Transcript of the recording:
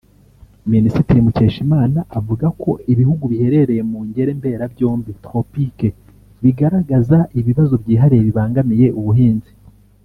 Minisitiri Mukeshimana avuga ko ibihugu biherereye mu ngere mberabyombi (tropiques) bigaragaza ibibazo byihariye bibangamiye ubuhinzi